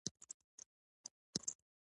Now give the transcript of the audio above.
د وچو پاڼو پۀ کچکول کې غواړي